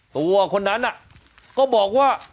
ตัวคนนั้นก็บอกว่า